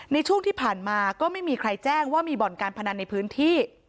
ในช่วงที่ผ่านมาก็ไม่มีใครแจ้งว่ามีบ่อนการพนันในพื้นที่